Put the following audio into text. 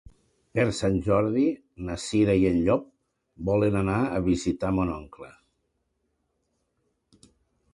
Per Sant Jordi na Cira i en Llop volen anar a visitar mon oncle.